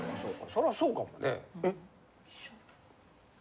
そらそうかもね。